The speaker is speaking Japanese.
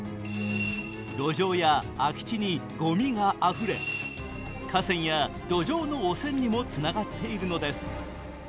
路上や空き地にごみがあふれ河川や土壌の汚染にもつながっているのです。